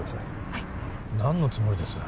はい何のつもりです？